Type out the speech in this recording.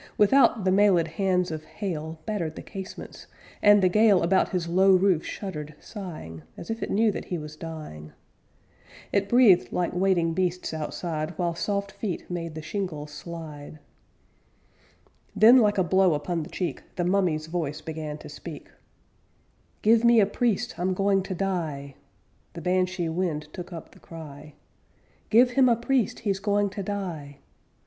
With out, the mailéd hands of hail Battered the casements, and the gale About his low roof shuddered, sighing, As if it knew that he was dying. It breathed like waiting beasts outside, While soft feet made the shingles slide. Then, like a blow upon the cheek, The mummy's voice began to speak: 'Give me a priest! I'm going to die!' The Banshee wind took up the cry: 'Give him a priest, he's going to die!'